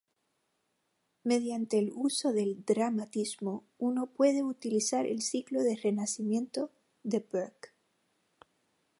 Mediante el uso del dramatismo, uno puede utilizar el Ciclo de Renacimiento de Burke.